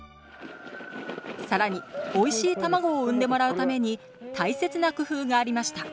更においしい卵を産んでもらうために大切な工夫がありました。